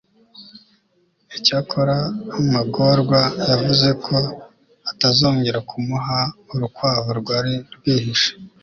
icyakora, magorwa yavuze ko atazongera kumuha. urukwavu rwari rwihishe